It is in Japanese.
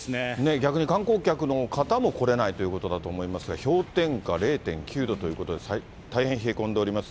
逆に観光客の方も来れないということだと思いますが、氷点下０．９度ということで、大変冷え込んでおります。